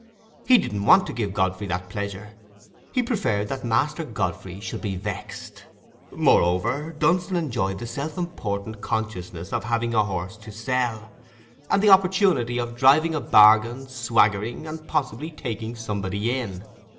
He didn't want to give Godfrey that pleasure: he preferred that Master Godfrey should be vexed. Moreover, Dunstan enjoyed the self important consciousness of having a horse to sell, and the opportunity of driving a bargain, swaggering, and possibly taking somebody in.